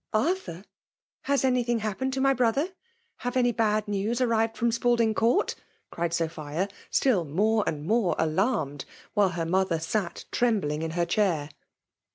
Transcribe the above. '*" Arthur ?— Has anything happened to my brother? — Have any bad news arrived from Spalding Court V cried Sophia^ still more and more alarmed^ while her mother sat trembling in her chair.